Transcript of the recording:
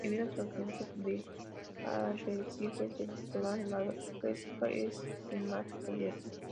Debido a la ausencia de arrecifes de coral, la pesca es en mar abierto.